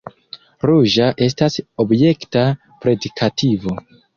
Ruĝa estas objekta predikativo.